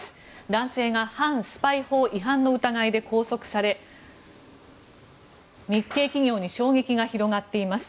男性が反スパイ法違反の疑いで拘束され日系企業に衝撃が広がっています。